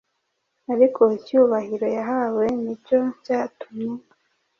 Ariko icyubahiro yahawe ni cyo cyatumye